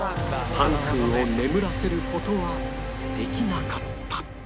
パンくんを眠らせる事はできなかった